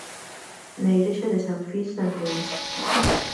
Na igrexa de San Fins de Anllóns.